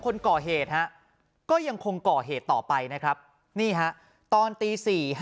คนก่อเหตุฮะก็ยังคงก่อเหตุต่อไปนะครับนี่ฮะตอนตี๔๕